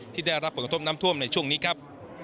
ที่ได้รับผลกระทบน้ำท่วมในช่วงนี้ครับ